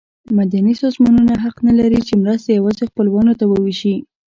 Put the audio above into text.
مدني سازمانونه حق نه لري چې مرستې یوازې خپلوانو ته وویشي.